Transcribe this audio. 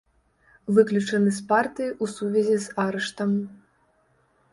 Выключаны з партыі ў сувязі з арыштам.